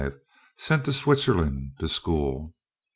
Sent to Switzerland to school.